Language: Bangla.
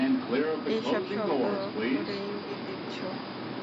এসব শব্দ করে ইঙ্গিত দিচ্ছো?